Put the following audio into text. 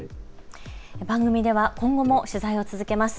番組では今後も取材を続けます。